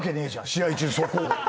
試合中そこを。